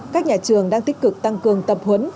các nhà trường đang tích cực tăng cường tập huấn